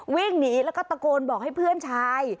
วิ่งหนีแล้วก็ตะโกนบอกให้เพื่อนชาย